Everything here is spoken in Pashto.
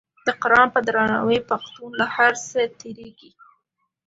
د قران په درناوي پښتون له هر څه تیریږي.